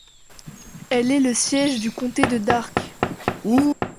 Elle est le siège du comté de Darke.